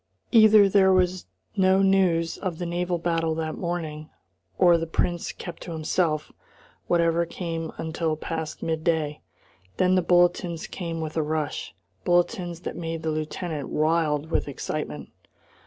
Either there was no news of the naval battle that morning, or the Prince kept to himself whatever came until past midday. Then the bulletins came with a rush, bulletins that made the lieutenant wild with excitement.